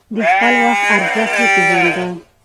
د خپل وخت ارزښت يې پېژانده.